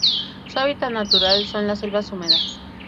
Su hábitat natural son las selvas húmedas.